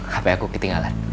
hp aku ketinggalan